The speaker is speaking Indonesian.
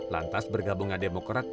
lantas bergabungan demokrat